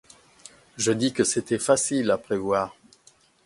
Je dis que c’était facile à prévoir.